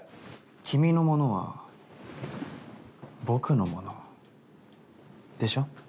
君のものは僕のものでしょ？